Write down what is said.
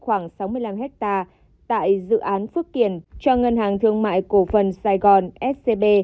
khoảng sáu mươi năm hectare tại dự án phước kiển cho ngân hàng thương mại cổ phần sài gòn scb